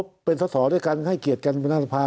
ผมก็ขอบรับเป็นสสด้วยการให้เกียรติกับนาศาภา